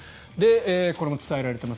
これも伝えられています